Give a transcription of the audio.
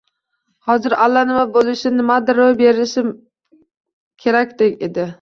Hozir allanima bo‘lishi, nimadir ro‘y berishi kerakdek edi.